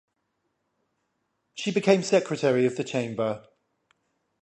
She became secretary of the Chamber.